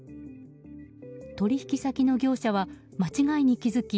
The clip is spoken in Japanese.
取引先の業者は間違いに気付き